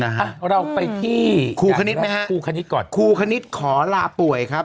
ฮะเราไปที่ครูคณิตไหมฮะครูคณิตก่อนครูคณิตขอลาป่วยครับ